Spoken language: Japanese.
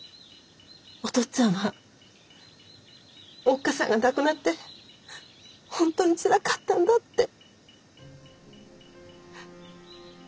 お父っつぁんはおっ母さんが亡くなって本当につらかったんだって。